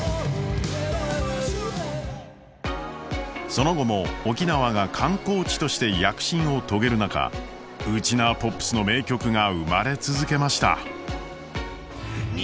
その後も沖縄が観光地として躍進を遂げる中沖縄ポップスの名曲が生まれ続けました。